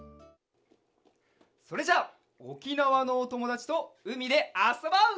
それじゃあおきなわのおともだちとうみであそぼう！